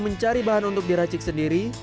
mencari bahan untuk diracik sendiri